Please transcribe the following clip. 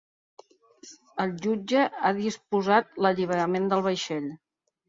El jutge ha disposat l’alliberament del vaixell.